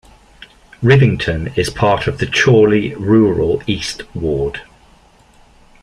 Rivington is part of the Chorley Rural East ward.